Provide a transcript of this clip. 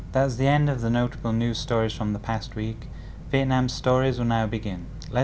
đại sứ farhan azzedine